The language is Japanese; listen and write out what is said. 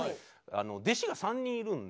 弟子が３人いるんですよ。